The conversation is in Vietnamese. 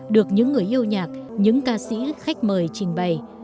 được những người yêu nhạc những ca sĩ khách mời trình bày